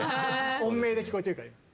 音名で聞こえてるから今。